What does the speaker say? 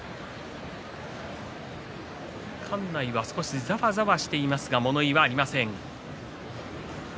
館内が少しざわざわしていますが物言いはありません。